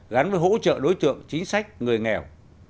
gắn với hỗ trợ đối tượng chính sách người nghèo